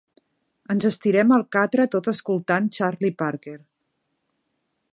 Ens estirem al catre tot escoltant Charlie Parker.